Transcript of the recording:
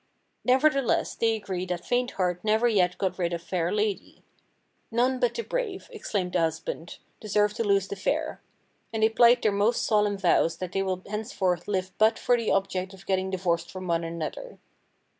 Nevertheless they agree that faint heart never yet got rid of fair lady, "None but the brave," exclaims the husband, "deserve to lose the fair," and they plight their most solemn vows that they will henceforth live but for the object of getting divorced from one another.